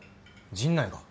陣内が？